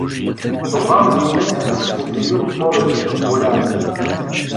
Това мнение се сподели от повечето боляри.